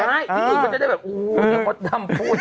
ใช่ที่อื่นก็จะได้แบบโอ้โฮอย่ามาทำพูด